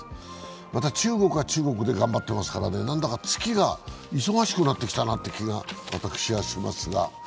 また中国は中国で頑張っていますから何だか月が忙しくなってきたなという感じがします。